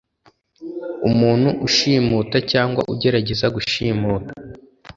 Umuntu ushimuta cyangwa ugerageza gushimuta